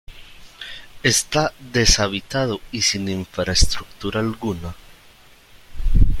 Está deshabitado y sin infraestructura alguna.